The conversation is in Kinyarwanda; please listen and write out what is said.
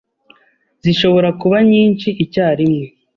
zishobora kuba nyinshi icyarimwe